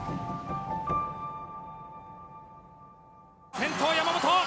先頭山本！